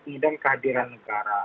mengidang kehadiran negara